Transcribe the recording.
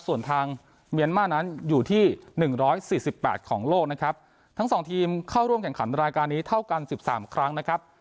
ส่วนทางเมียนมาร์นั้นอยู่ที่หนึ่งร้อยสี่สิบแปดของโลกนะครับทั้งสองทีมเข้าร่วมแข่งขันรายการนี้เท่ากันสิบสามครั้งนะครับ